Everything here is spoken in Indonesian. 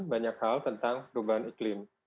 banyak hal tentang perubahan iklim